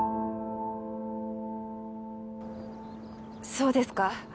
そうですか。